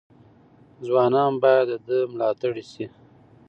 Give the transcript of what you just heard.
ځوانان باید د ده ملاتړي شي.